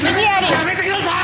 やめてください！